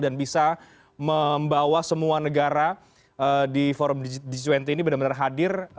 dan bisa membawa semua negara di forum g dua puluh ini benar benar hadir